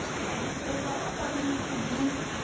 本番ワクワクしますよね。